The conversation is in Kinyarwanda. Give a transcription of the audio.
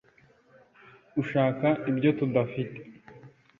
ushaka ibyo tudafite,